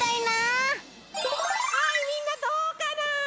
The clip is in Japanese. はいみんなどうかな。